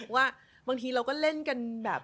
ว่าบางทีเราก็เล่นกันแบบ